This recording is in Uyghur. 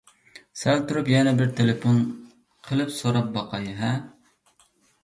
سەل تۇرۇپ يەنە بىر تېلېفون قىلىپ سوراپ باقاي-ھە.